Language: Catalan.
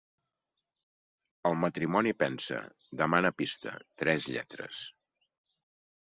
El matrimoni pensa, demana pista: «Tres lletres».